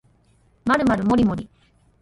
まるまるもりもり